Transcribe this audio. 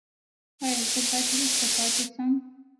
ایا زه باید وروسته پاتې شم؟